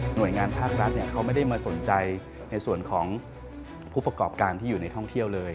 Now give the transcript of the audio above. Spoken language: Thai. โดยงานภาครัฐเขาไม่ได้มาสนใจในส่วนของผู้ประกอบการที่อยู่ในท่องเที่ยวเลย